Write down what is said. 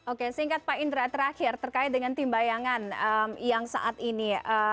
oke singkat pak indra terakhir terkait dengan tim bayangan yang saat ini